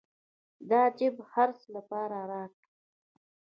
د جېب خرڅ لپاره راكړې.